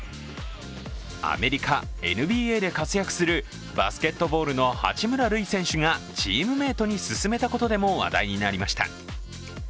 アメリカ・ＮＢＡで活躍するバスケットボールの八村塁選手がチームメイトに勧めたことでも話題になりました。